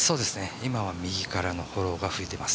今は右からのフォローが吹いてます。